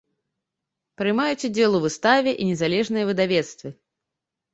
Прымаюць удзел у выставе і незалежныя выдавецтвы.